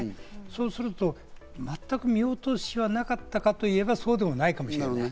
そうすると全く見落としはなかったかと言えば、そうでもないかもしれない。